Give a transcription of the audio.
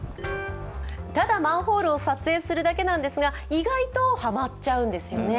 ただマンホールを撮影するだけなんですが意外とハマっちゃうんですよね。